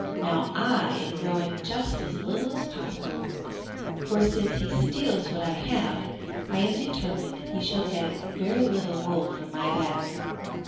Now I am growing just as little as possible, for since he steals what I have I am determined he shall get very little wool from my back."